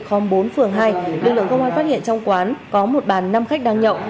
khóm bốn phường hai lực lượng công an phát hiện trong quán có một bàn năm khách đang nhậu